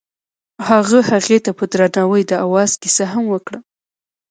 هغه هغې ته په درناوي د اواز کیسه هم وکړه.